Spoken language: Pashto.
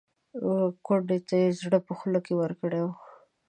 کونډې ته یې زړه په خوله کې ورکړی و.